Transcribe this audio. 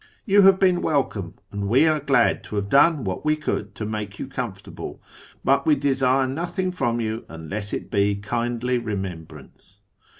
You have been welcome, and we are glad to have done what we could to make you comfortable, but we FROM TEHERAn to ISFAHAN 159 desire nothing from you unless it be kindly remembrance."